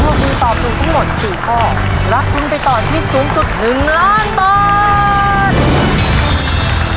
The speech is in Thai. ถ้าท่อพูดตอบถูกทั้งหมดสี่ข้อรับทุนไปต่อชีวิตสูงสุดหนึ่งล้านบาท